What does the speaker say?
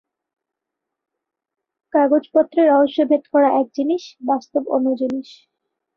কাগজপত্রে রহস্য ভেদ করা এক জিনিস, বাস্তব অন্য জিনিস।